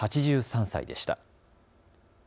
８３歳でした。